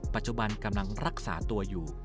ปัจจุบันกำลังรักษาตัวอยู่